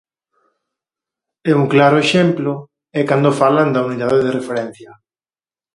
E un claro exemplo é cando falan da unidade de referencia.